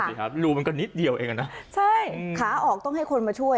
สิครับรูมันก็นิดเดียวเองอ่ะนะใช่ขาออกต้องให้คนมาช่วย